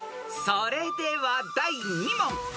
［それでは第２問］